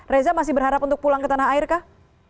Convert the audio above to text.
reza masih berharap untuk pulang ke tanah air kah